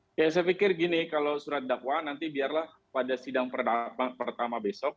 oke saya pikir gini kalau surat dakwaan nanti biarlah pada sidang pertama besok